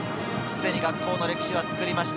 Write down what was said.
学校の歴史は作りました。